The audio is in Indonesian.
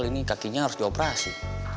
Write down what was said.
ini kakinya harus dioperasi